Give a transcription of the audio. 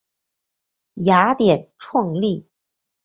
雅典创立。